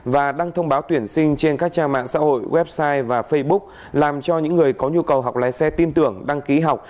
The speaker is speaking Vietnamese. các trang mạng xã hội website và facebook làm cho những người có nhu cầu học lái xe tin tưởng đăng ký học